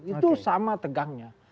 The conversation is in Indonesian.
itu sama tegangnya